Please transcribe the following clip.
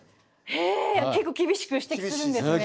へえ結構厳しく指摘するんですね。